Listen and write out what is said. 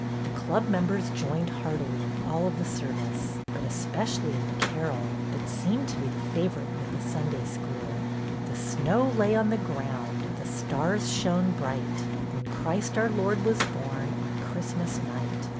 The Club members joined heartily in all of the service, but especially in the carol, that seemed to be the favorite with the Sunday school :" The snow lay on the ground, The stars shone bright. When Christ our Lord was born On Christmas night.